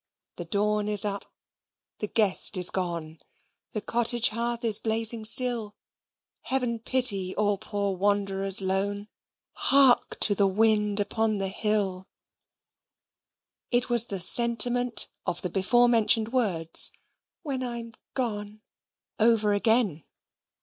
The dawn is up the guest is gone, The cottage hearth is blazing still; Heaven pity all poor wanderers lone! Hark to the wind upon the hill! It was the sentiment of the before mentioned words, "When I'm gone," over again.